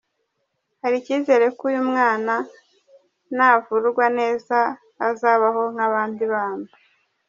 Hari icyizere ko uyu mwana navurwa neza azabaho nk’abandi bana.